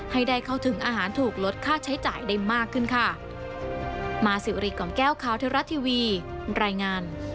ให้ได้เข้าถึงอาหารถูกลดค่าใช้จ่ายได้มากขึ้นค่ะ